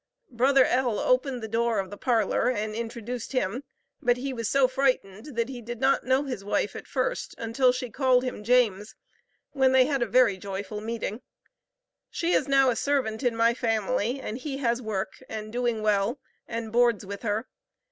Bro. L. opened the door of the parlor, and introduced him; but he was so frightened that he did not know his wife at first, until she called him James, when they had a very joyful meeting. She is now a servant in my family, and he has work, and doing well, and boards with her.